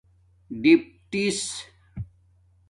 ڈِپٹس